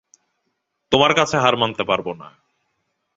তোমার কাছে হার মানতে পারব না।